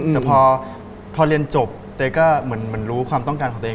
แต่พอเรียนจบเต้ก็เหมือนรู้ความต้องการของตัวเอง